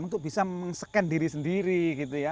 untuk bisa meng scan diri sendiri gitu ya